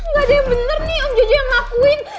gak ada yang bener nih om jojo yang ngelakuin